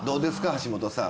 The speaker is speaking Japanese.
橋本さん。